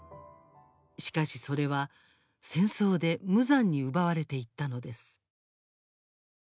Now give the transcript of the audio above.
しかし、それは戦争で無残に奪われていったのです。